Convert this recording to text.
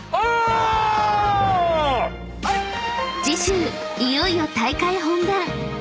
［次週いよいよ大会本番］